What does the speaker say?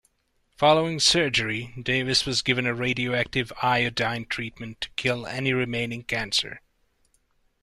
Following surgery, Davis was given a radioactive iodine treatment to kill any remaining cancer.